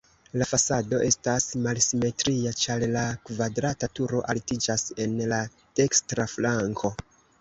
La fasado estas malsimetria, ĉar la kvadrata turo altiĝas en la dekstra flanko.